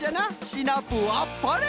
シナプーあっぱれ！